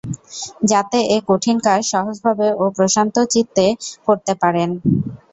যাতে এ কঠিন কাজ সহজভাবে ও প্রশান্ত চিত্তে করতে পারেন।